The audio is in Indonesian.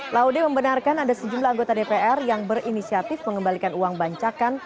laude membenarkan ada sejumlah anggota dpr yang berinisiatif mengembalikan uang bancakan